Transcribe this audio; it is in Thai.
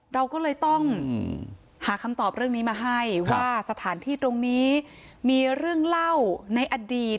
เราก็เลยต้องหาคำตอบเรื่องนี้มาให้ว่าสถานที่ตรงนี้มีเรื่องเล่าในอดีต